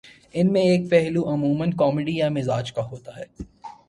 ان میں ایک پہلو عمومًا کامیڈی یا مزاح کا ہوتا ہے